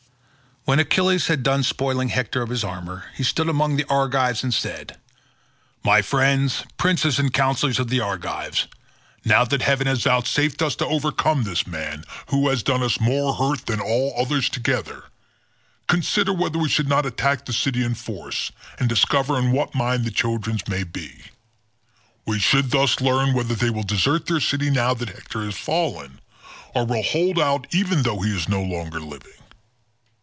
When Achilles had done spoiling Hector of his armour, he stood among the Argives and said, "My friends, princes and counsellors of the Argives, now that heaven has vouchsafed us to overcome this man, who has done us more hurt than all the others together, consider whether we should not attack the city in force, and discover in what mind the Trojans may be. We should thus learn whether they will desert their city now that Hector has fallen, or will still hold out even though he is no longer living.